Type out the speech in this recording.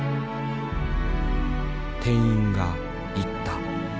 店員が言った。